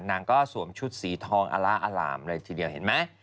นางก็สวมชุดสีทองอล่าอล่ามเลยทีเดียวเห็นไหม